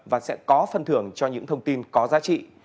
và sẽ có phân thưởng cho những thông tin có giá trị